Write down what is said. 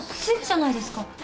すぐじゃないですか。